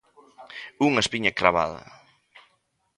Unha espiña cravada.